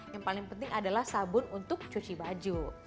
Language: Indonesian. yang paling penting adalah sabun untuk cuci baju